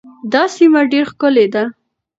دا سیمه ډېره ښکلې ده.